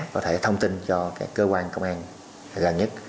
có thể thông tin cho cơ quan công an gần nhất